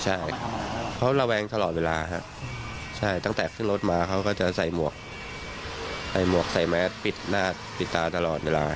ใช่เขาระแวงตลอดเวลาครับใช่ตั้งแต่ขึ้นรถมาเขาก็จะใส่หมวกใส่แมสปิดหน้าปิดตาตลอดเวลา